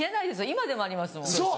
今でもありますもん。